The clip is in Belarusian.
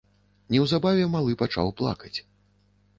Неўзабаве малы пачаў плакаць.